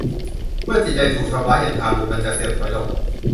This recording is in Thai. เมื่อจิตใจถูกทำร้ายอย่างทารุณมันจะเสื่อมถอยลง